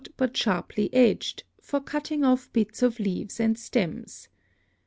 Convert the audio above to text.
but sharply edged, for cutting off bits of leaves and stems.